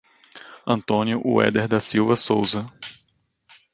Antônio Ueder da Silva Souza